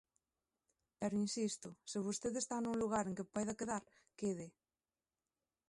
Pero insisto, se vostede está nun lugar en que poida quedar, quede.